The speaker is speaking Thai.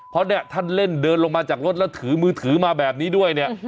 เพราะเนี่ยท่านเล่นเดินลงมาจากรถแล้วถือมือถือมาแบบนี้ด้วยเนี่ย